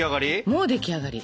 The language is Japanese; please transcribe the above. もうでき上がり。